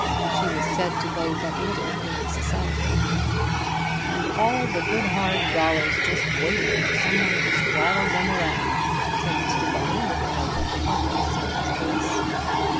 She was said to go but little into society. "And all the good hard dollars just waiting for someone to spraddle them around!" said Mr. Bunner with a note of pathos in his voice.